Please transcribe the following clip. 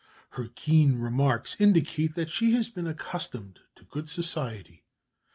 Her keen remarks indicate that she has been accustomed to good society.